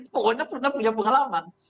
pokoknya pernah punya pengalaman